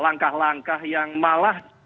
langkah langkah yang malah